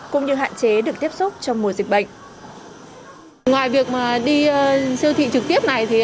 cũng như hạn chế được tiếp xúc trong mùa dịch bệnh